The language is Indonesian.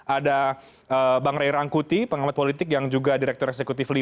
ada bang ray rangkuti pengamat politik yang juga direktur eksekutif lima